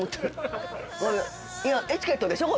エチケットでしょ？